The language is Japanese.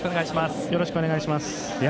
よろしくお願いします。